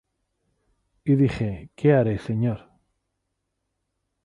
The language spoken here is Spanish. Y dije: ¿Qué haré, Señor?